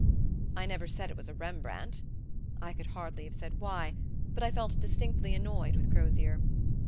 "I never said it was a Rembrandt." I could hardly have said why, but I felt distinctly annoyed with Crozier.